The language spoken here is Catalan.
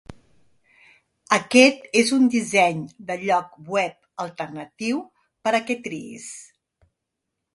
Aquest és un disseny de lloc web alternatiu per a que triïs.